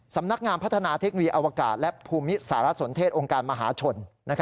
สำนักงานพัฒนาเทคโนโลยอวกาศและภูมิสารสนเทศองค์การมหาชน